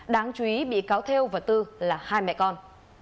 đáng chú ý bị cáo theo và tư là hai mẹ con